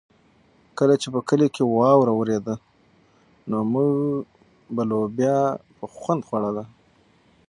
کله چې په کلي کې واوره ورېده نو موږ به لوبیا په خوند خوړله.